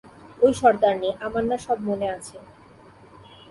ওই সর্দারনী, আমার না সব মনে আছে।